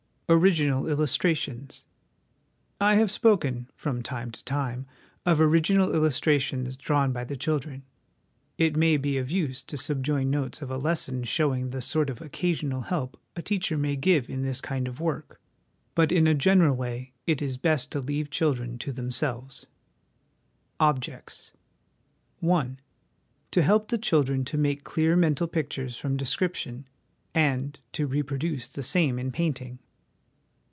Original Illustrations. I have spoken, from time to time, of original illustrations drawn by the children. It may be of use to subjoin notes of a lesson l showing the sort of occasional help a teacher may give in this kind of work ; but in a general way it is best to leave children to themselves. " Objects "I. To help the children to make clear mental pictures from description, and to reproduce the same in painting.